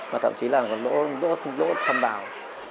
và thậm chí là còn đốt thâm bào